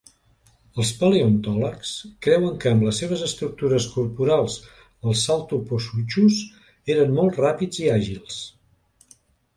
Els paleontòlegs creuen que amb les seves estructures corporals els "Saltoposuchus" eren molt ràpids i àgils.